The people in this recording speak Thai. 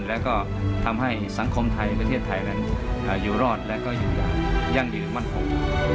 แล้วก็ทำให้สังคมไทยประเทศไทยนั้นอยู่รอดและก็อยู่อย่างยั่งยืนมั่นคง